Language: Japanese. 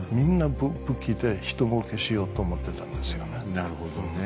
なるほどね。